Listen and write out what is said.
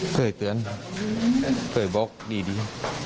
เคยเตือนเคยบอกดี